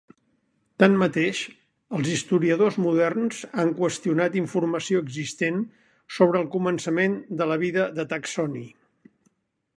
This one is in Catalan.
Tanmateix, els historiadors moderns han qüestionat informació existent sobre el començament de la vida de Taksony.